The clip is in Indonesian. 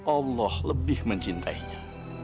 allah lebih mencintainya